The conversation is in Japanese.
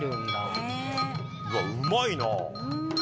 うわうまいな。